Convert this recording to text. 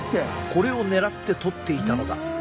これを狙って取っていたのだ。